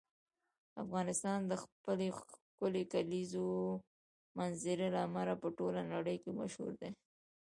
افغانستان د خپلې ښکلې کلیزو منظره له امله په ټوله نړۍ کې مشهور دی.